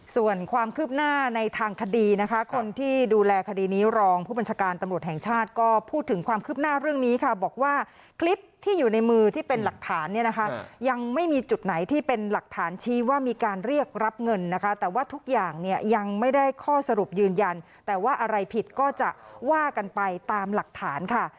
ส่วนความคืบหน้าในทางคดีนะคะคนที่ดูแลคดีนี้รองผู้บัญชาการตำรวจแห่งชาติก็พูดถึงความคืบหน้าเรื่องนี้ค่ะบอกว่าคลิปที่อยู่ในมือที่เป็นหลักฐานเนี่ยนะคะยังไม่มีจุดไหนที่เป็นหลักฐานชี้ว่ามีการเรียกรับเงินนะคะแต่ว่าทุกอย่างเนี่ยยังไม่ได้ข้อสรุปยืนยันแต่ว่าอะไรผิดก็จะว่ากันไปตามหลักฐานค่ะ